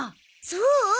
そう？